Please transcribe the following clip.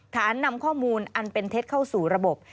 นำข้อมูลอันเป็นเท็จเข้าสู่ระบบ